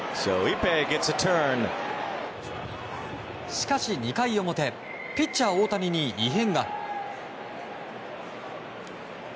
しかし２回表ピッチャー大谷に異変が。